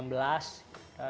ini tahun dua ribu enam belas